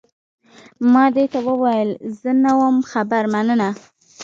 ما دې ته وویل، زه نه وم خبر، مننه.